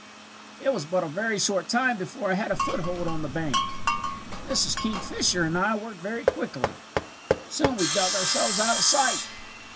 "It was but a very short time before I had a foothold on the bank. Mrs. Kingfisher and I worked very quickly. Soon we dug ourselves out of sight."